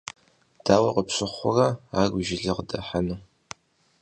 Дауэ къыпщыхъурэ ар уи жылэ къыдэхъуэну.